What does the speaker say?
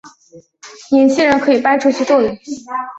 年轻人可以搬出去住了